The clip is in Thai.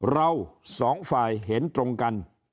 เราสองฝ่ายเห็นตรงกัน